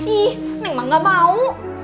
ih neng mah enggak mau